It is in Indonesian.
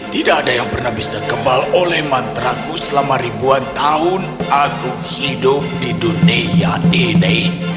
tidak ada yang pernah bisa kebal oleh mantraku selama ribuan tahun aku hidup di dunia ini